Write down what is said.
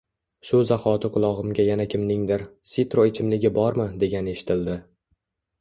Shu zahoti qulogʻimga yana kimningdir «Sitro ichimligi bormi» degani eshitildi